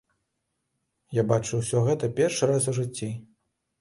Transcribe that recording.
Я бачу ўсё гэта першы раз у жыцці.